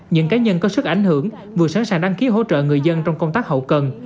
những cá nhân có sức ảnh hưởng vừa sẵn sàng đăng ký hỗ trợ người dân trong công tác hậu cần